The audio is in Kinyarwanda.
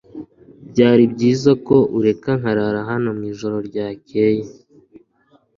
Byari byiza ko ureka nkarara hano mwijoro ryakeye.